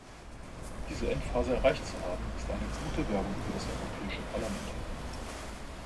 Diese Endphase erreicht zu haben, ist eine gute Werbung für das Europäische Parlament.